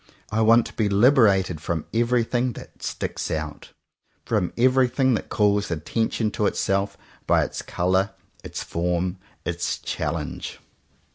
I want to be liberated from everything that "sticks out," from everything that calls attention to itself by its colour, its form, its challenge.